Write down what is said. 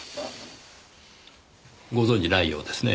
ご存じないようですね。